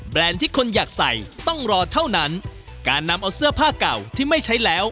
ที่คนอยากใส่ต้องรอเท่านั้นการนำเอาเสื้อผ้าเก่าที่ไม่ใช้แล้ว